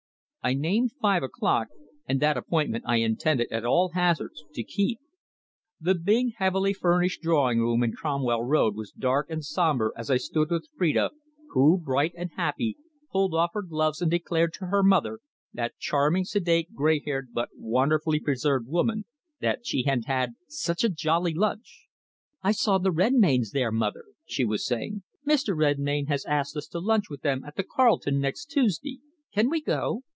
I named five o'clock, and that appointment I intended, at all hazards, to keep. The big, heavily furnished drawing room in Cromwell Road was dark and sombre as I stood with Phrida, who, bright and happy, pulled off her gloves and declared to her mother that charming, sedate, grey haired, but wonderfully preserved, woman that she had had such "a jolly lunch." "I saw the Redmaynes there, mother," she was saying. "Mr. Redmayne has asked us to lunch with them at the Carlton next Tuesday. Can we go?"